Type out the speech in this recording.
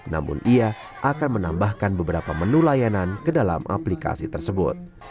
namun ia akan menambahkan beberapa menu layanan ke dalam aplikasi tersebut